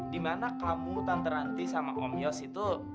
dimana kamu tante nanti sama om yos itu